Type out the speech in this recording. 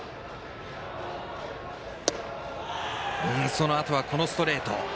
そのあとは、このストレート。